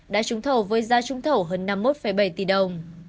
đã trúng thầu với giá trúng thầu hơn năm mươi một bảy tỷ đồng